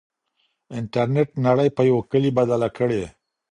انټرنېټ نړۍ په يو کلي بدله کړې.